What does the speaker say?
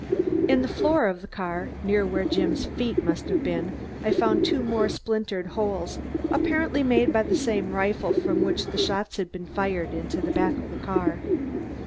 In the floor of the car, near where Jim's feet must have been, I found two more splintered holes, apparently made by the same rifle from which the shots had been fired into the back of the car.